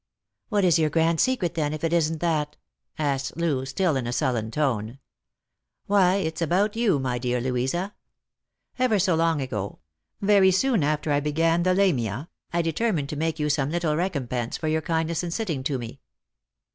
" What is your grand secret, then, if it isn't that P " asked Loo, still in a sullen tone. " Why, it's about you, my dear Louisa. Ever so long ago, very soon after I began the ' Lamia,' I determined to make you some little recompense for your kindness in sitting to me."